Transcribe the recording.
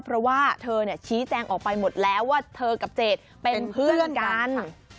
เพราะว่าเธอชี้แจงออกไปหมดแล้วว่าเธอกับเจดเป็นเพื่อนกัน